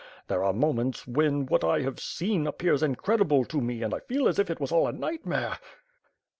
There are moments, when, what I have seen, appears incredible to me and I feel as if it was all a nightmare.